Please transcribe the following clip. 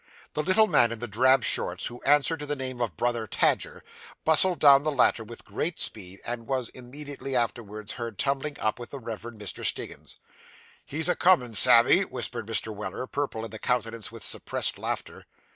The little man in the drab shorts who answered to the name of Brother Tadger, bustled down the ladder with great speed, and was immediately afterwards heard tumbling up with the Reverend Mr. Stiggins. 'He's a comin', Sammy,' whispered Mr. Weller, purple in the countenance with suppressed laughter.